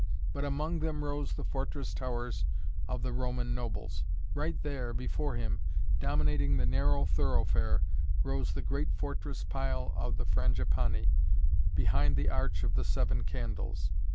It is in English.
But among them rose the fortress towers of the Roman nobles. Right there, before him, dominating the narrow thoroughfare, rose the great fortress pile of the Frangipani, behind the Arch of the Seven Candles.